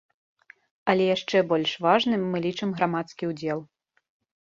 Але яшчэ больш важным мы лічым грамадскі ўдзел.